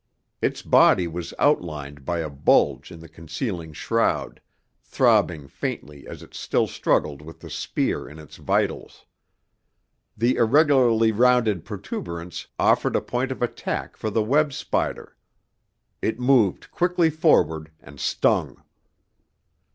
Its body was outlined by a bulge in the concealing shroud, throbbing faintly as it still struggled with the spear in its vitals. The irregularly rounded protuberance offered a point of attack for the web spider. It moved quickly forward, and stung.